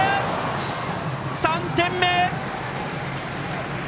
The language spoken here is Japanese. ３点目！